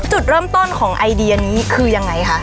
จุดเริ่มต้นของไอเดียนี้คือยังไงคะ